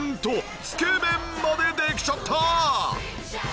つけ麺までできちゃった！